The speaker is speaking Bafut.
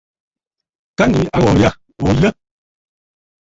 Ka ŋyi aghɔ̀ɔ̀ yâ, òo yə̂.